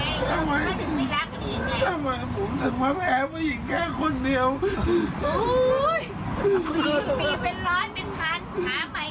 เนี่ยร้องไห้อยู่ร้องไห้เดี๋ยวนี้เลย